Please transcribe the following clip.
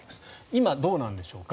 今、どうなんでしょうか。